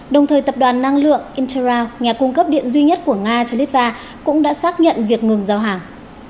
đồng thời tập đoàn năng lượng inter nhà cung cấp điện duy nhất của nga cho litva cũng đã xác nhận việc ngừng giao hàng